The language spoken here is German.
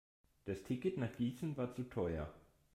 Das Ticket nach Gießen war zu teuer